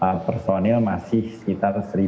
persiapan personil sendiri kita masih mencari